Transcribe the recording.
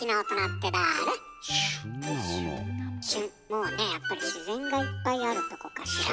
もうねやっぱり自然がいっぱいあるとこかしら？